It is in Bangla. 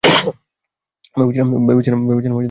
ভেবেছিলাম সে ঘুমাচ্ছে।